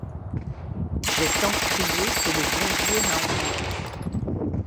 J'ai tant crié que le bon Dieu m'a entendue.